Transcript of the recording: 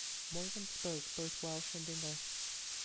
Morgan spoke both Welsh and English.